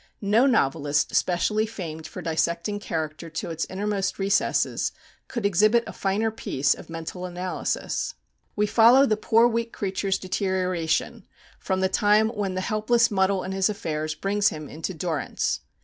No novelist specially famed for dissecting character to its innermost recesses could exhibit a finer piece of mental analysis. We follow the poor weak creature's deterioration from the time when the helpless muddle in his affairs brings him into durance.